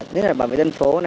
nhất là bảo vệ dân phố